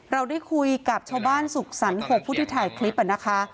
เราได้คุยกับชาวบ้านสุขสรรค๖ผู้ที่ถ่ายคลิปนะคะ